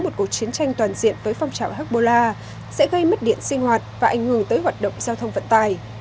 một cuộc chiến tranh toàn diện với phong trào hezbollah sẽ gây mất điện sinh hoạt và ảnh hưởng tới hoạt động giao thông vận tài